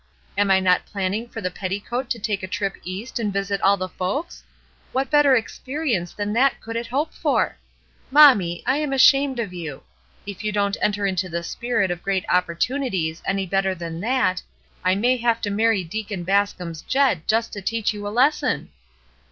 Am I not planning for the petticoat to take a trip East and visit all the folks? What better 342 ESTER RIED^S NAMESAKE experience than that could it hope for ? Mom mie, I am ashamed of you ! If you don't enter into the spirit of great opportimities any better than that, I may have to marry Deacon Bas com's Jed just to teach you a lesson."